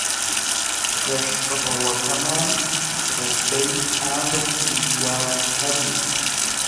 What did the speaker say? پێشڕەوەکەمان ڕوتبەی ئامیر لیوای هەبوو